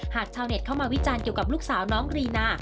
ชาวเน็ตเข้ามาวิจารณ์เกี่ยวกับลูกสาวน้องรีนา